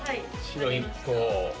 白１個を。